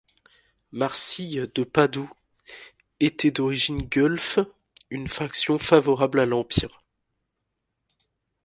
Marsile de Padoue, était d’origine guelfe, une faction favorable à l’Empire.